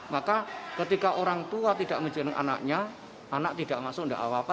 maka ketika orang tua tidak mengizinkan anaknya anak tidak masuk